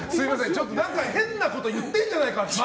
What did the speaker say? ちょっと、変なこと言ってるんじゃないかと。